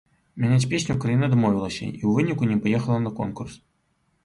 Мяняць песню краіна абмовілася і ў выніку не паехала на конкурс.